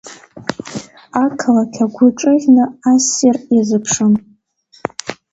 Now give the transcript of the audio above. Ақалақь агәы ҿыӷьны ассир иазыԥшын…